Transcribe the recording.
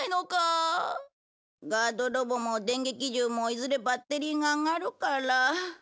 ガードロボも電撃銃もいずれバッテリーが上がるから。